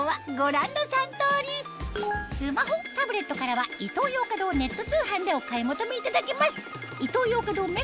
スマホタブレットからはイトーヨーカドーネット通販でお買い求めいただけます